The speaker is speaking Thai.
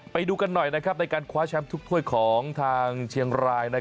ไปดูกันหน่อยในการคว้าแชมป์ทุกถ้วยของทางเชียงราย